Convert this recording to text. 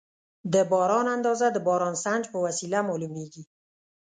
د باران اندازه د بارانسنج په وسیله معلومېږي.